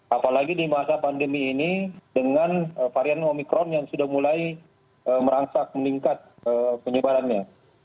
apalagi di masa pandemi ini dengan varian omikron yang sudah mulai merangsak meningkat penyebarannya